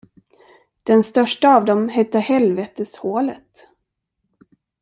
Den största av dem hette Helveteshålet.